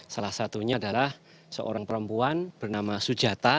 salah satunya adalah seorang perempuan bernama sujata